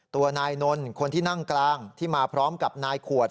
ตัวนายนนท์คนที่นั่งกลางที่มาพร้อมกับนายขวด